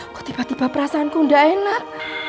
kok tiba tiba perasaanku tidak enak